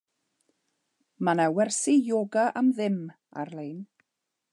Mae 'na wersi yoga am ddim ar-lein.